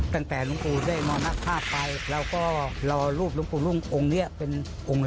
ตอนที่ปิดทองหลงพ่อรุ่งในวิหารพวกจะไปเถอะในวิหารหน้านะครับ